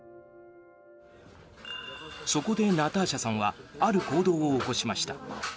そこでナターシャさんはある行動を起こしました。